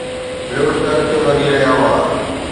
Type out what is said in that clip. لڙڪ اڳتي وڌي رهيا هئا